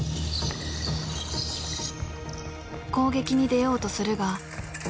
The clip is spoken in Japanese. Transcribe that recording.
攻撃に出ようとするが。